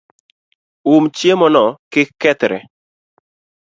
Um chiemo no kik kethre